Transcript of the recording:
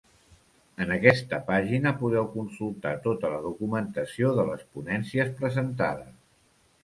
En aquesta pàgina podeu consultar tota la documentació de les ponències presentades.